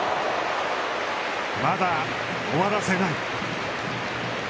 まだ終わらせない。